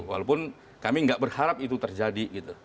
walaupun kami nggak berharap itu terjadi gitu